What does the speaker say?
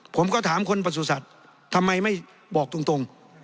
ผมก็ถามคนประสุทธิ์ทำไมไม่บอกตรง